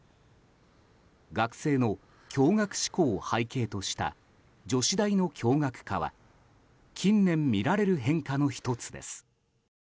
学生の共学志向を背景とした女子大の共学化は近年みられる変化の１つです。